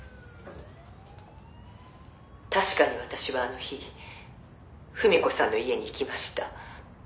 「確かに私はあの日文子さんの家に行きました」